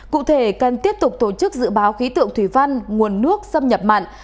cụ thể cần tiếp tục tổ chức dự báo khí tượng thủy văn nguồn nước xâm nhập mặn